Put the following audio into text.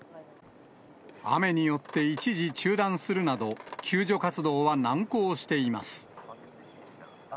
雨によって一時中断するなど、救助活動は難航しています。